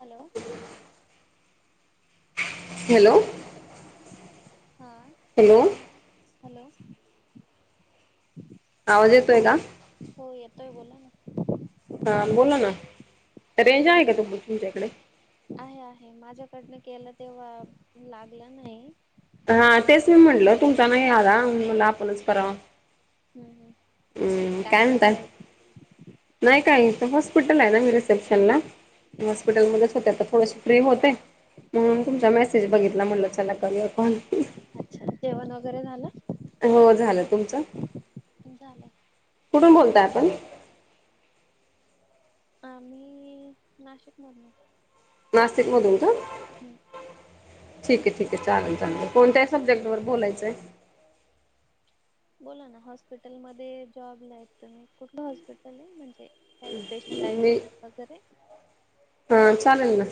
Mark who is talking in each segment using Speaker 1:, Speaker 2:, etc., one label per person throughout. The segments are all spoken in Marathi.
Speaker 1: हॅलो.
Speaker 2: हॅलो.
Speaker 1: हा
Speaker 2: हॅलो
Speaker 1: मा हॅलो.
Speaker 2: आवाज येतो का?
Speaker 1: हो येतोय बोला ना.
Speaker 2: हा बोला ना रेंज आहे का तुम तुमच्या कडे?
Speaker 1: आहे आहे माझ्याकडनं केलं तेव्हा लागलं नाही.
Speaker 2: हा तेच मी म्हटल तुमचा नाही म आता म्हणला आपणच करावा.
Speaker 1: हम्म हम्म.
Speaker 2: हम्म काय म्हणताय नाही काही इथ हॉस्पिटल आहे ना मी रिसेप्शनला ' मी
Speaker 1: अच्छा
Speaker 2: हॉस्पिटलमध्येच होते आता थोडेसे फ्री होते
Speaker 1: हा
Speaker 2: म्हणून
Speaker 1: हा
Speaker 2: तुमचा मॅसेज बघितला म्हणलं चला करूया फोन.
Speaker 1: अच्छा जेवण वगैरे झालं?
Speaker 2: हो झालं तुमचं?
Speaker 1: झालं
Speaker 2: कुठून बोलताय आपण?
Speaker 1: आम्ही अ नाशिकमधन.
Speaker 2: नाशिकमधून का?
Speaker 1: हम्म.
Speaker 2: ठीकय ठीकय चालेल चालेल कोणत्या सब्जेक्ट वर बोलायचंय?
Speaker 1: बोला ना हॉस्पिटलमध्ये जॉबला आहेत तुम्ही कुठलं हॉस्पिटल आहे म्हणजे काही
Speaker 2: आहे
Speaker 1: स्पेशलायझेशन वगैरे
Speaker 2: ह चालेल ना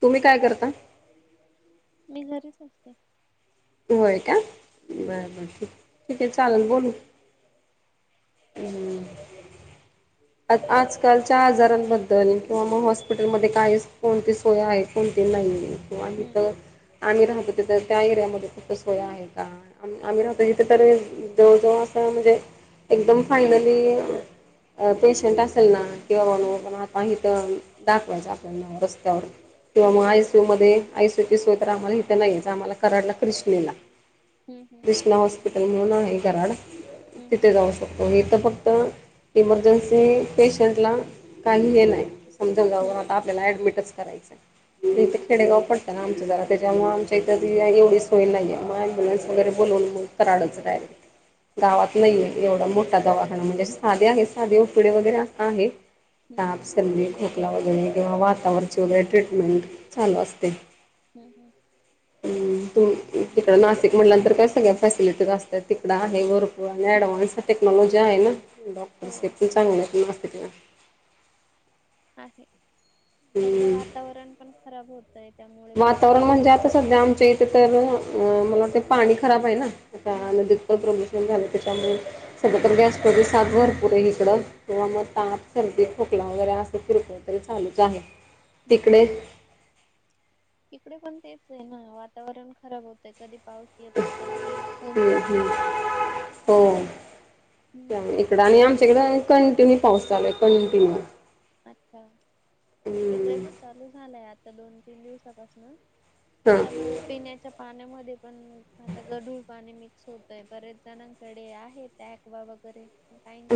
Speaker 2: तुम्ही काय करता?
Speaker 1: मी घरीच असते.
Speaker 2: होय का
Speaker 1: हम्म
Speaker 2: बरं बर. ठीके चालेल बोलू हम् आ आजकालच्या आजारांबद्दल किंवा मग हॉस्पिटलमध्ये काही कोणतीच होय आहे कोणते नाही आम्ही
Speaker 1: हम्म
Speaker 2: तर आम्ही राहतो ते तर त्या एरियामध्ये तिथं सोय आहे का आम्ही राहतो इथे तरी जवळ जवळ असं म्हणजे एकदम फायनली पेशंट असेल ना. किंवा बण
Speaker 1: हम्म
Speaker 2: पण आता इ तर दाखवायचं आपल्यांना रस्त्यावर किंवा मग
Speaker 1: हम्म
Speaker 2: आय एसी यू मध्ये आयसीयू सोय तर आम्हाला इथे नाहीच आम्हाला कराडला कृष्णेला
Speaker 1: हम् हम.
Speaker 2: कृष्णा हॉस्पिटल म्हणून आहे कराड
Speaker 1: हम्म हम्म
Speaker 2: तिथे जाऊ शकतो. हो इथ फक्त इमर्जन्सी पेशंटला काही हे नाही समजा गावात
Speaker 1: हम्म
Speaker 2: आता आपल्याला ऍडमिटच करायचं
Speaker 1: हम्म
Speaker 2: इथे
Speaker 1: हम्म
Speaker 2: खेडेगाव पण आमचं जरा त्याच्यामुळे आमच्या इथ एवढीच होय नाहीये मग अबुलन्स वगैरे बोलवून मग कराडच डायरेक्ट गावात नाहीये. एवढा मोठा दवाखाना म्हणजे साधे आहे साधे उकडे वगैरे आहे
Speaker 1: हम्म हम्म हम्म
Speaker 2: ताप सर्दी खोकला वगैरे किंवा वातावरची वगैरे ट्रीटमेंट चालू असते
Speaker 1: हम हम.
Speaker 2: ह त तिकड नाशिक म्हटल्यांतर काय सगळ्या फॅसिलिटी असतात तिकडं आहे वर आणि
Speaker 1: हम्म
Speaker 2: ॲडव्हान्स टेक्नॉलॉजी आहे ना डॉक्टर्स हे
Speaker 1: हो
Speaker 2: पण चांगले आहेत पण नाशिकला.
Speaker 1: आहे सध्या
Speaker 2: हम्म
Speaker 1: वातावरण पण खराब होतं त आहे त्यामुळे बरेच लोक आजारी पडत
Speaker 2: तिथं है ना अ मला वाटते पाणी खराब आहे ना आता
Speaker 1: हम्म
Speaker 2: नदीत प प्रदूषण झालं त्याच्यामुळे. सध्या तर गॅस [unintelligible] सात भरपूर आहे इकडं किंवा मग ताप सर्दी खोकला वगैरे असं फिरतय. तरी चालूच आहे
Speaker 1: हम्म.
Speaker 2: तिकडे
Speaker 1: इकडे पण तेच आहे ना वातावरण खराब होतय कधी पाऊस येतो कधी हे ऊन
Speaker 2: हम्म हम्म
Speaker 1: पडतो.
Speaker 2: हो
Speaker 1: हम्म.
Speaker 2: त्यामुळं इकडं
Speaker 1: आता
Speaker 2: आणि आमच्याकडें कंटिन्यू पाऊस चालूय कंटिन्यू.
Speaker 1: अच्छा इकडे
Speaker 2: हम्म
Speaker 1: पण चालू झाला आता दोन तीन दिवसांपासन.
Speaker 2: हा
Speaker 1: त्यामुळे पिण्याच्या पाण्यामध्ये पण आता गढूळ पाणी मिक्स होतंय, बरेच जणांकडे आहे ऍक्वा वगैरे.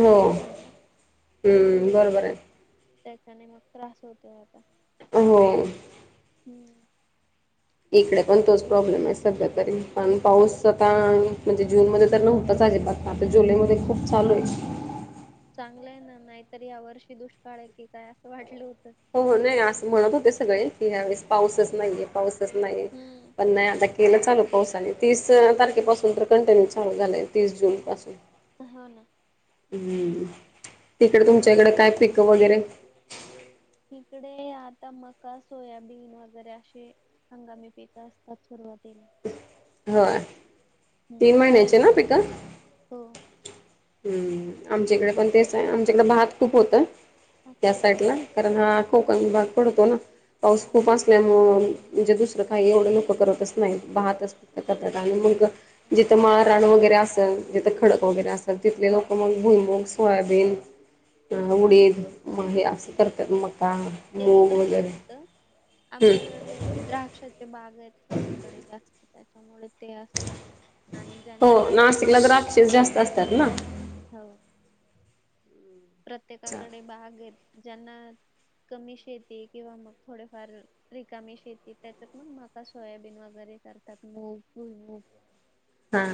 Speaker 2: हो
Speaker 1: नाहीये ना.
Speaker 2: हम्म बरोबर
Speaker 1: तर
Speaker 2: आहे.
Speaker 1: त्याच्याने मग त्रास होतोय आता.
Speaker 2: हो.
Speaker 1: हम्म.
Speaker 2: इकडे पण तोच प्रॉब्लेम आहे सध्या तरी पण पाऊस आता म्हणजे जून मध्ये तर नव्हताच अजिबात आता जुलैमध्ये खूप चालू आहे.
Speaker 1: चांगलंय ना नाहीतर या वर्षी दुष्काळ आहे की काय असं वाटलं होतं
Speaker 2: हो हो नाही असं म्हणत होते सगळे की ह्यावेेळेस पाऊसच नाहीये पाऊसच नाहीय.
Speaker 1: हम्म
Speaker 2: नाही आता केलं चालू पाऊसाने तीस तारखेपासून तर कंटिन्यू चालू झालं आहे तीस जूनपासून
Speaker 1: हो ना.
Speaker 2: हम्म तिकडे तुमच्याकडें काय पिक वगैरे?
Speaker 1: इकडे आता मका सोयाबीन वगैरे अशे हंगामी पिक असतात सुरुवातीला.
Speaker 2: होय तीन
Speaker 1: हम्म
Speaker 2: महिन्याचे ना पिकं?
Speaker 1: हो
Speaker 2: हम्म आमच्याकडे पण तेच आहे आमच्याकडे भात खूप होतंय या
Speaker 1: अच्छा
Speaker 2: साईडला. कारण हा कोकण भाग पडतो ना
Speaker 1: हो
Speaker 2: पाऊस खूप असल्यामुळ म्हणजे दुसरं काही एवढं लोक करतच नाहीत भातच आणि मंग
Speaker 1: हो हो.
Speaker 2: जिथं माळराण वगैरे असेल जिथं खडक वगैरे असेल तिथले लोक मगं भूईमूंग सोयाबीन, अ
Speaker 1: हम्म.
Speaker 2: उडीद, म हे आसं करतात मगं.
Speaker 1: हा ते इकडे पण होत
Speaker 2: हम्म
Speaker 1: आमच्याकडे द्राक्षा चे बाग आहेत सगळीकडे जास्तं. त्याच्यामुळे ते असतं आणि
Speaker 2: हो
Speaker 1: ज्यांच्याकडे
Speaker 2: नाशिकला द्राक्षेच जास्त असतात ना अच्छा
Speaker 1: हो. प्रत्येकाकडे बाग आहेत ज्यांना कमी शेती किंवा मग थोडेफार रिकामी शेती त्याच्यात मग म सोयाबीन वगैरे करतात मूग, भूईमूग.
Speaker 2: हां.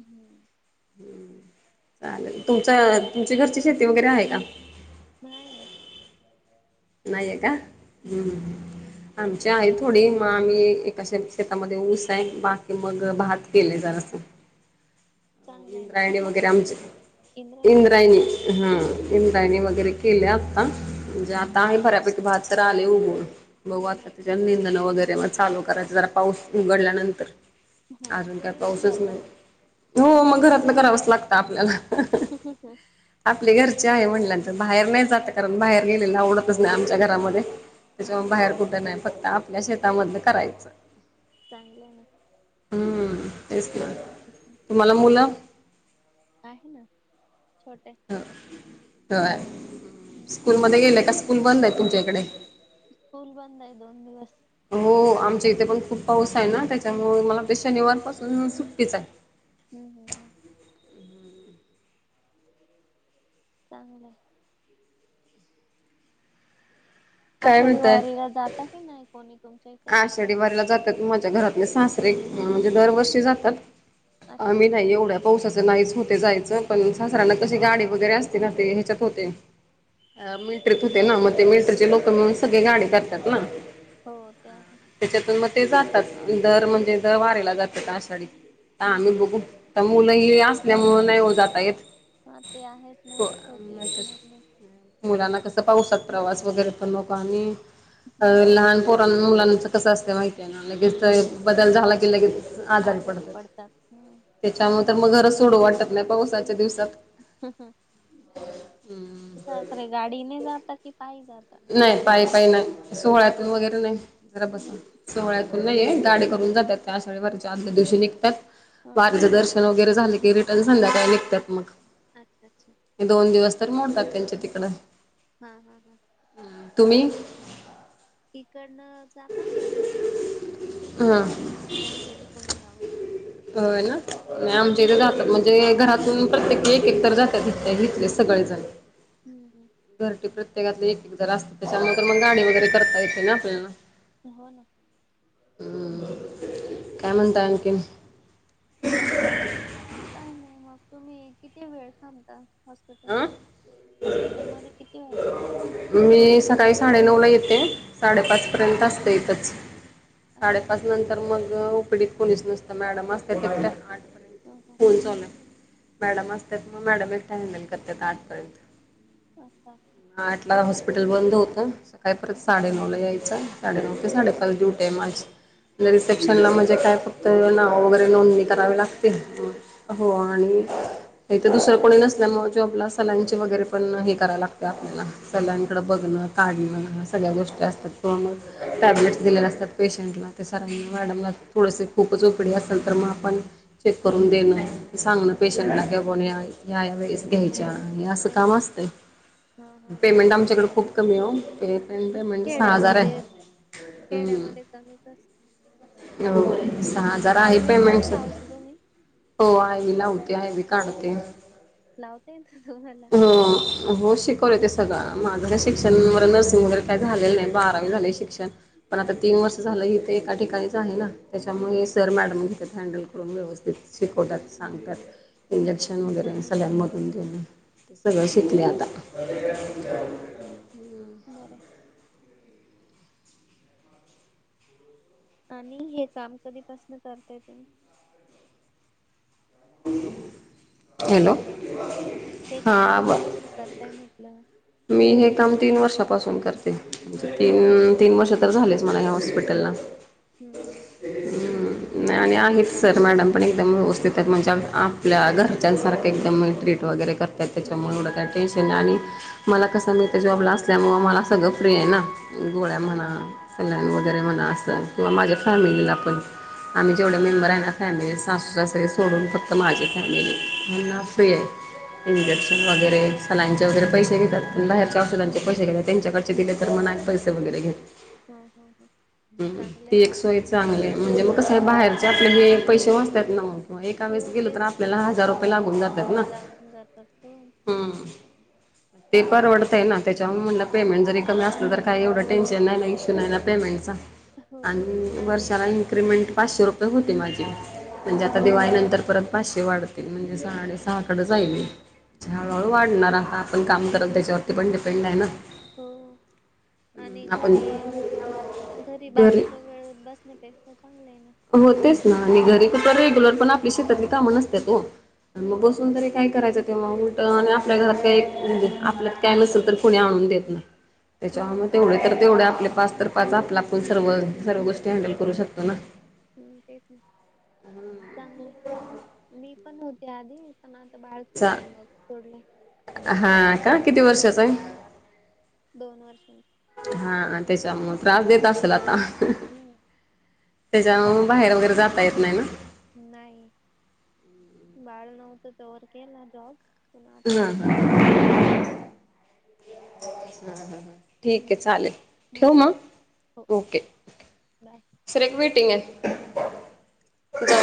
Speaker 1: हम्म.
Speaker 2: चालेल तुमच्या तुमची घरची शेती वगैरे आहे कां?
Speaker 1: न्हाय न.
Speaker 2: नाही ये का? हम्म. आमचे आहे थोडी मग आम्ही एकाश शेतामध्ये ऊस आहे बाकी मग
Speaker 1: हम्म
Speaker 2: भात केले जरासं.
Speaker 1: चांगलं आहे ना
Speaker 2: इंद्रायणी
Speaker 1: कुठला
Speaker 2: वगैरे आमचे
Speaker 1: जाती
Speaker 2: इंद्रायणी. हा इंद्रायणी वगैरे केले आता म्हणजे आता आहे बऱ्यापैकी भात. तर आले उगवून बघू आता त्यावर निंदन वगैरे मग. चालू करायच जरा पाऊस उघडल्यानंतर
Speaker 1: हा
Speaker 2: अजून काय
Speaker 1: तुम्ही पण
Speaker 2: पाऊसच
Speaker 1: जाता
Speaker 2: नाही. हो मग घरातन करावंच लागतं आपल्याला.
Speaker 1: ह ह हं
Speaker 2: आपली घरचे आहे म्हणल्यानंतर बाहेर नाही जात, कारण बाहेर गेलेला आवडतच नाही आमच्या घरामध्ये. त्याच्या
Speaker 1: हा
Speaker 2: बाहेर कुठं नाही फक्त आपल्या शेतामध करायचं.
Speaker 1: चांगलंय ना.
Speaker 2: हम्म तेच की.
Speaker 1: [unintelligible]
Speaker 2: तुम्हाला मुलं
Speaker 1: आहे ना छोटे आहे.
Speaker 2: ह
Speaker 1: हं,
Speaker 2: स्कूलमध्ये गेलं का स्कूल बंद आहे तुमच्या इकडे.
Speaker 1: स्कूल बंद दोन दिवस.
Speaker 2: हो आमच्या इथे पण खूप पाऊस आहे ना त्याच्यामुळे मला ते शनिवारपासून सुट्टीच आहे.
Speaker 1: हम् हम हम चांगले.
Speaker 2: काय
Speaker 1: आषाढी
Speaker 2: म्हणताय?
Speaker 1: वारीला जाता की नाही कोणी तुमच्या इथ.
Speaker 2: आषाढी वारीला जातात माझ्या घरातले सासरे म्हणजे दरवर्षी जातात.
Speaker 1: अच्छा
Speaker 2: आम्ही नाही एवढ्या पावसाचं नाहीच होते जायचं पण सासऱ्यांना कशी गाडी वगैरे असते ना ते मिल्ट्रीत होते ना मग ते मिल्ट्रीचे
Speaker 1: हा
Speaker 2: लोक मिळुन सगळे गाडी करतात ना.
Speaker 1: हो ते आहे
Speaker 2: त्याच्यातून मग ते जातात दर म्हणजे दर वाराला जातात आषाढीत तर
Speaker 1: हम्म
Speaker 2: आम्ही
Speaker 1: हम्म
Speaker 2: बघू तर मुलं ह असल्यामुंळ नाही हो जात येत
Speaker 1: हा ते आहेत मुलं छोटी आहेत मग नाही
Speaker 2: मुलांना कसं पाऊसात प्रवास वगैरे पण नको आणि
Speaker 1: हम्म
Speaker 2: लहान मुलांच कसं असते माहिती आहे ना लगेच बदल झाला के लगे आजारी पडतात त्याच्यामुळे तर मग घर सोडू वाटत नाही पावसाच्या दिवसात.
Speaker 1: हम् हम्
Speaker 2: हम्म
Speaker 1: सासरे गाडीने जातात की पाय जातात.
Speaker 2: नाही पाय पाय नाही सोहळ्यात वगैरे नाही जरा बसून
Speaker 1: नाही
Speaker 2: सोहळ्यात नाहीे गाडे करून जातात त्या आषाढ वारीच्या आदल्या दिवशी निघतात
Speaker 1: हा हा
Speaker 2: वारीचं दर्शन वगैरे झाले की संध्याकाय निघतात मग.
Speaker 1: अच्छा अच्छा
Speaker 2: दोन दिवस तर मोडतात त्यांच्या तिकडं.
Speaker 1: हा हा हा
Speaker 2: तुम्ही
Speaker 1: इकडनं जातात बरेच जण आमच्या
Speaker 2: हां
Speaker 1: घरात नाही नाही गेलं कोणी ह्या
Speaker 2: होय ना नाही आमच्या इथे जातात म्हणजे घरातून प्रत्येकी एक एक तर जात इथले सगळेजण. ह
Speaker 1: हम् हम
Speaker 2: घरचे प्रत्येकातले एक एक जर असते त्याच्यानंतर मग गाडी वगैरे करता येते ना आपल्याला.
Speaker 1: हो ना
Speaker 2: ह काय म्हणताय आणखीन.
Speaker 1: काय नाही मग तुम्ही किती वेळ थांबता. हॉस्पिटल
Speaker 2: अं
Speaker 1: मध्ये हॉस्पिटल मध्ये किती वेळ था
Speaker 2: मी सकाळी साडेनऊ ला येते
Speaker 1: हम्म
Speaker 2: साडेपाच पर्यंत असते इथच
Speaker 1: अच्छा
Speaker 2: साडेपाच नंतर मग ओ पी डी कोणीच नसतं मॅडम असतात आठ पर्यंत.
Speaker 1: हो हो
Speaker 2: फोन चालू आहे मॅडम असतात मग मॅडम एकट्या हॅण्डल करतात आठपर्यंत.
Speaker 1: अच्छा अच्छा
Speaker 2: आठला हॉस्पिटल बंद होतं सकाळी परत साडेनऊला यायचं. साडे नऊ ते साडे पाच दिवट्या आहे माझी मी रिसेप्शनला म्हणजे काय [inaudible] नाव वगैरे नोंदणी
Speaker 1: हम्म,
Speaker 2: करावे लागते.
Speaker 1: मावली आहे
Speaker 2: हो आणि हित दुसरं कोणी नसल्या मग जॉबला सलाइनचे वगैरे पण हे करायला लागत आपल्याला. सलाईन
Speaker 1: अच्छा
Speaker 2: कड बघणं काढणं सगळ्या गोष्टी असतात क मग टॅबलेट्स दिलेल्या असतात पेशंटला ते सर ना मॅडमला
Speaker 1: हम्म,
Speaker 2: थोडंसे खूपचप असल तर मग आपण चेक करून देणं सांगण पेशंटला ह्या गोळ्या ह्या, ह्या वेळेस घ्यायच्या हे असं
Speaker 1: अच्छा.
Speaker 2: काम
Speaker 1: हा
Speaker 2: असतं
Speaker 1: हा
Speaker 2: पेमेंट
Speaker 1: चांगले
Speaker 2: आमच्याकडें खूप कमी आहे ते पेमेंट सहा हजार
Speaker 1: खेड्यामध्ये
Speaker 2: आहे ह
Speaker 1: खेड्यामध्ये कमीच अस
Speaker 2: हो सहा
Speaker 1: आणि
Speaker 2: हजार आहे
Speaker 1: आय व्ही पण
Speaker 2: पेमेंट
Speaker 1: लावतो तुम्ही
Speaker 2: हो आहे लावते आहे बी काढते
Speaker 1: लावता येय त तु्हा
Speaker 2: हो, हो शिकवले ते सगळं माझं शिक्षण व नर्सिंग वगैरे काय झालेलं नाही बारावी झाले शिक्षण पण आता तीन
Speaker 1: अच्छा
Speaker 2: वर्ष झालं ह तर एका ठिकाणीच आहे ना
Speaker 1: हम्म
Speaker 2: त्याच्यामुळे सर मॅडम घेतात हँडल करून व्यवस्थित शिकवतात, सांगतात
Speaker 1: हम्म
Speaker 2: इंजेक्शन वगैरे
Speaker 1: चांगलं आहे
Speaker 2: सलाईन
Speaker 1: मग
Speaker 2: मधून देणं ते सगळं शिकले आता
Speaker 1: बरंय आणि हे काम कधीपासून करताय तुम्ही हॅलो हे
Speaker 2: हा
Speaker 1: काम
Speaker 2: आवा
Speaker 1: कधीपस न करताय म्हटलं
Speaker 2: मी हे काम तीन वर्षापासून करते
Speaker 1: अच्छा
Speaker 2: तीन वर्ष तर झालेस मला या हॉस्पिटलला
Speaker 1: हम्म, हम्
Speaker 2: ह नाही आणि आहेच सर मॅडम पण एकदम व्यवस्थितात म्हणजे आपल्या घरच्यांसारखं एकदम ट्रीट वगैरे करत
Speaker 1: हम्म
Speaker 2: त्याच्यामुळे
Speaker 1: हम्म
Speaker 2: एवढं काय टेन्शन आणि मला कसं मी इथ जॉबला असल्यामुळ मला सगळं फ्री आहे ना गोळ्या
Speaker 1: हो
Speaker 2: म्हणा सलाईन वगैरे म्हणा असं किंवा माझ्या फॅमिलीला पण आम्ही
Speaker 1: हो
Speaker 2: जेवढे मेंबर आहे ना फॅमिली सासू, सासरे सोडून फक्त माझी फॅमिली यांना
Speaker 1: अच्छा
Speaker 2: फ्री आहे
Speaker 1: हं
Speaker 2: इंजेक्शन वगैरे सलाईंचे वगैरे पैसे घेत बाहेरच्या औषधांचे पैसे घे त्यांच्याकडचे दिले तर मनात पैसे वगैरे घेत ह
Speaker 1: हं हं हं चांगलं
Speaker 2: ती
Speaker 1: आहे ना
Speaker 2: एक सोयच चांगले म्हणजे मग कसं आहे बाहेरचे आपले हे पैसे वाचतात ना मग एका वेळेस
Speaker 1: हो
Speaker 2: गेलो तर आप
Speaker 1: तेच
Speaker 2: आपल्याला हजार रुपये लागून जाते
Speaker 1: लागून जातात हो
Speaker 2: हा ते परवडतंय ना त्याच्यामुळे म्हणलं पेमेंट जरी कमी असलं तर काही एवढं टेन्शन नाही ना इश्यू नाही ना पेमेंटचा
Speaker 1: हो
Speaker 2: आणि वर्षाला इन्क्रिमेंट पाचशे रुपये होते माझी म्हणजे
Speaker 1: अच्छा
Speaker 2: आता दिवाळी नंतर परत पाचशे वाढते म्हणजे साडे
Speaker 1: हं, हं.
Speaker 2: सहाकडे हळूहळू वाढणार हा आपण काम करत त्याच्यावरती पण डिपेंड आहे ना
Speaker 1: हो
Speaker 2: हम्म,
Speaker 1: आणि
Speaker 2: आपण
Speaker 1: घरी घरी बाकीचा वेळेस बसण्यापेक्षा चांगलं आहे ना
Speaker 2: हो तेच ना आणि घरी त तर रेग्युलर पण आपली शेतातली कामं नसत्यात हो मग
Speaker 1: हम्म
Speaker 2: बसून तरी काय करायचं तेव्हा उलट आणि आपल्या घरात काही एक म्हणजे आपल्यात काय नसेल तर कुणी आणून देत नाय त्याच्या म
Speaker 1: हम्म
Speaker 2: तेवढे तर तेवढे आपले पाच तर पा पाच आपला आपण सर्व, सर्व गोष्टी हँडल करू शकतो ना
Speaker 1: हम् तेच ना चांगलं मी पण हो ते आधी पण आता बाहेर
Speaker 2: चा
Speaker 1: छोट आहे मग सोडले
Speaker 2: हा का किती वर्षाचा आहे
Speaker 1: दोन वर्षां
Speaker 2: हा त्याच्यामुळ त्रास देत असेल आता
Speaker 1: हम्म
Speaker 2: त्याच्यामुळ बाहेर वगैरे जाता येत नाही ना
Speaker 1: नाही बाळ नव्हतं तोर केला जॉब पण आता
Speaker 2: हां
Speaker 1: नाही
Speaker 2: हां ठीक आहे
Speaker 1: हम्म.
Speaker 2: चालेल
Speaker 1: हो
Speaker 2: ठेऊ
Speaker 1: हो हो
Speaker 2: मग ओकेे
Speaker 1: बाय.
Speaker 2: एक वेटिंग आहे जा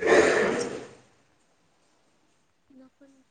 Speaker 2: ची
Speaker 1: नको न.